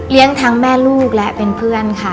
ทั้งแม่ลูกและเป็นเพื่อนค่ะ